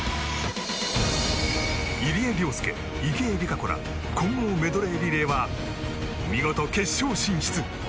入江陵介、池江璃花子ら混合メドレーリレーは見事、決勝進出。